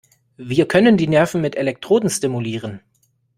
Wir können die Nerven mit Elektroden stimulieren.